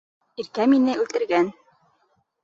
Иркә мине үлтергән!